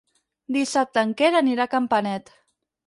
Dissabte en Quer anirà a Campanet.